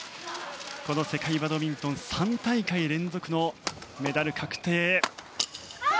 この世界バドミントン３大会連続のメダル確定へ。